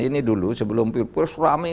ini dulu sebelum pilpul surami